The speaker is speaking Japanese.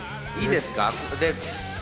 いいですか？